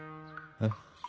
えっ？